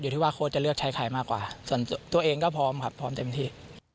ที่ว่าโค้ชจะเลือกใช้ใครมากกว่าส่วนตัวเองก็พร้อมครับพร้อมเต็มที่